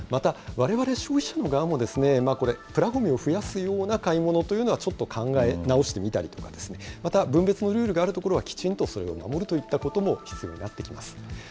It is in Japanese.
また、われわれ消費者の側もプラごみを増やすような買い物というのは、ちょっと考え直してみたりですとか、また、分別のルールがある所はきちんとそれを守るといったことも必要になってきます。